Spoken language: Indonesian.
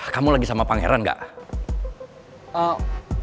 kamu lagi sama pangeran gak